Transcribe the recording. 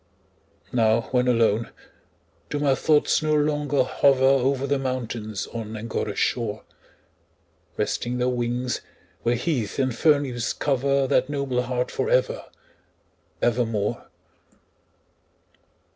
Now, when alone, do my thoughts no longer hover Over the mountains on Angora's shore, Resting their wings, where heath and fern leaves cover That noble heart for ever, ever more?